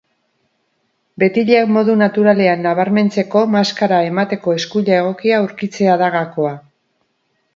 Betileak modu naturalean nabarmentzeko, maskara emateko eskuila egokia aurkitzea da gakoa.